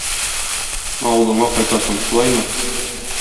Авылыңа кайтасың, шулаймы?